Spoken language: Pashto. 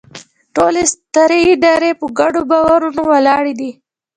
ټولې سترې ادارې په ګډو باورونو ولاړې دي.